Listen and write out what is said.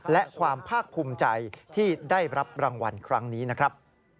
และความภาคภูมิใจที่ได้รับรางวัลครั้งนี้นะครับ